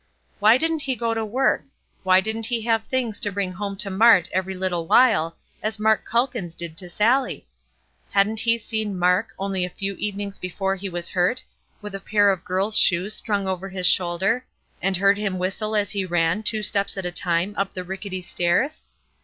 Why didn't he go to work? Why didn't he have things to bring home to Mart every little while, as Mark Calkins did to Sallie? Hadn't he seen Mark, only a few evenings before he was hurt, with a pair of girl's shoes strung over his shoulder, and heard him whistle as he ran, two steps at a time, up the rickety stairs?